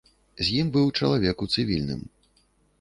З ім быў чалавек у цывільным.